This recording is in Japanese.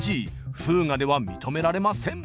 フーガでは認められません！